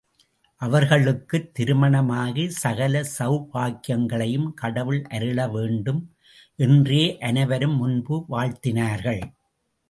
அவர்களுக்குத் திருமணமாகி, சகல சௌபாக்கியங்களையும் கடவுள் அருள வேண்டும்! என்றே அனைவரும் முன்பு வாழ்த்தினார்கள்.